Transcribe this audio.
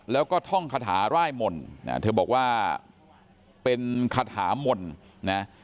แล้วก็ท่องคาถาร่ายมนต์เธอบอกว่าเป็นคาถามนนะ